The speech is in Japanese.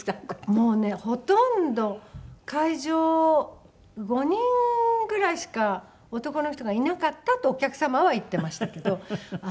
もうねほとんど会場５人ぐらいしか男の人がいなかったとお客様は言ってましたけど。